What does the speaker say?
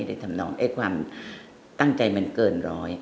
ทำนองความตั้งใจมันเกินร้อย